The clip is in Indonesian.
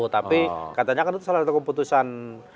tapi katanya kan itu salah satu keputusan